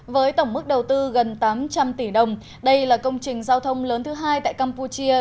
với tổng mức đầu tư gần tám trăm linh tỷ đồng đây là công trình giao thông lớn thứ hai tại campuchia